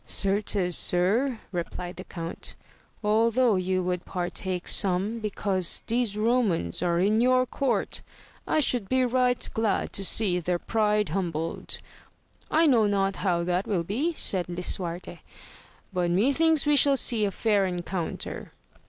Certes, sir, replied the count, although you would partake some because these Ro mans are in your court, I should be right glad to see their pride humbled. I know not how that will be, said Lisuarte, but methinks we shall see a fair en counter.